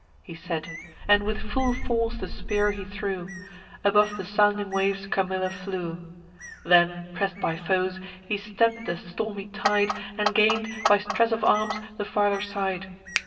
He said; and with full force the spear he threw: Above the sounding waves Camilla flew. Then, press'd by foes, he stemm'd the stormy tide, And gain'd, by stress of arms, the farther side.